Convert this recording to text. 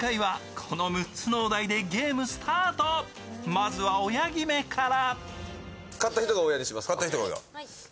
まずは親決めから。